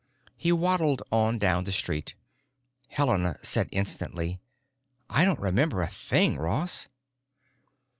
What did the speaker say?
He waddled on down the street. Helena said instantly, "I don't remember a thing, Ross."